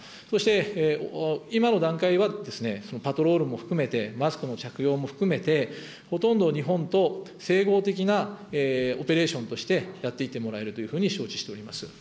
そして今の段階はですね、パトロールも含めて、マスクの着用も含めて、ほとんど日本と整合的なオペレーションとして、やっていってもらえるというふうに承知しております。